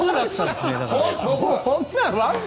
こんなん？